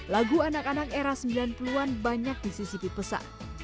lagu anak anak era sembilan puluh an banyak di ccp pesat